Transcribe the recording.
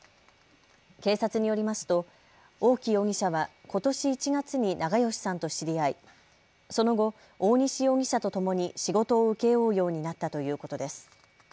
警察によりますと大木容疑者はことし１月に長葭さんと知り合い、その後、大西容疑者とともに仕事を請け負うようになったということです。